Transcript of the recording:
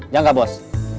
jangan gak bos